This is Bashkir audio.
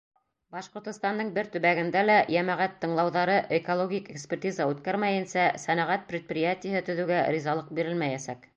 Башҡортостандың бер төбәгендә лә йәмәғәт тыңлауҙары, экологик экспертиза үткәрмәйенсә, сәнәғәт предприятиеһы төҙөүгә ризалыҡ бирелмәйәсәк.